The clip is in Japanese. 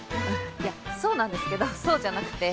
いやそうなんですけどそうじゃなくて。